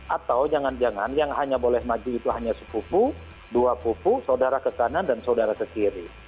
atau jangan jangan yang hanya boleh maju itu hanya sepupu dua pupu saudara ke kanan dan saudara ke kiri